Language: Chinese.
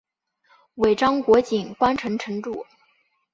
尾张国井关城城主。